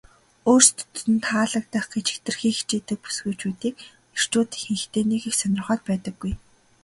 өөрсдөд нь таалагдах гэж хэтэрхий хичээдэг бүсгүйчүүдийг эрчүүд ихэнхдээ нэг их сонирхоод байдаггүй.